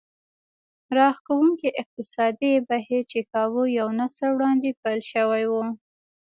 راښکوونکي اقتصادي بهير چې کابو يو نسل وړاندې پيل شوی و.